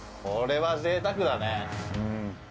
これはぜいたくだね。